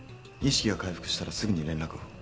意識が回復したらすぐに連絡を。